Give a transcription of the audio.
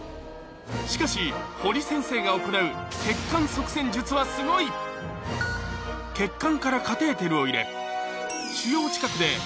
しかし堀先生が行う血管からカテーテルを入れ